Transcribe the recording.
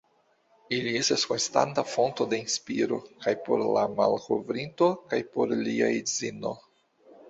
Ili estas konstanta fonto de inspiro kaj por la malkovrinto kaj por lia edzino.